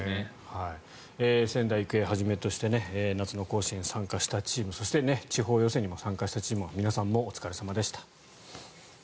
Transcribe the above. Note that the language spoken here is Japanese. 仙台育英をはじめとして夏の甲子園参加したチームそして地方予選にも参加したチーム皆さんもお疲れ様でした。